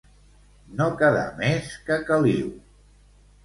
No quedar més que caliu.